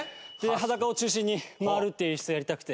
「裸」を中心に回るっていう演出をやりたくて。